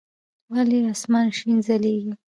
ولي اسمان شين ځليږي؟